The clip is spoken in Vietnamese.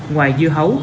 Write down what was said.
ngoài dưa hấu